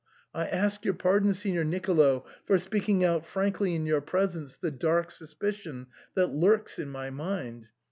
I ask your pardon, Signor Nicolo, for speaking out frankly in your presence the dark suspicion that lurks in my mind.